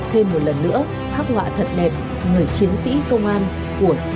thêm một lần nữa khắc họa thật đẹp người chiến sĩ công an của nhân dân